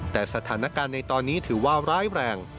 แต่สถานการณ์ในตอนนี้ถือว่าร้ายแรง